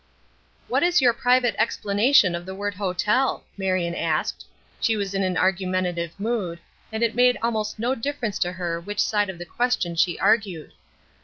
"What is your private explanation of the word 'hotel'?" Marion asked. She was in an argumentative mood, and it made almost no difference to her which side of the question she argued.